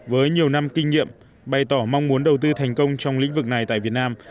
với nhiều năm kinh nghiệm bày tỏ mong muốn đầu tư thành công trong lĩnh vực này tại việt nam